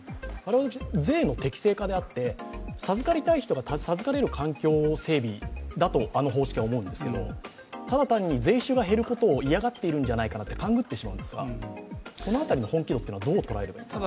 税の適正化であって、授かりたい人が授かれる環境整備だとあの方式は思うんですけど、ただ単に税収が減ることを嫌がっているんじゃないかと勘繰ってしまうんですが、その辺りの本気度はどう捉えていますか？